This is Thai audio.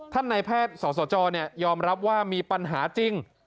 ท่านในแพทย์ส่อส่อจอเนี่ยยอมรับว่ามีปัญหาจริง